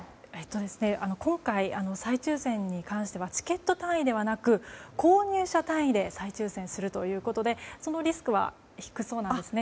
今回、再抽選についてはチケット単位ではなく購入者単位で再抽選するということでそのリスクは低そうなんですね。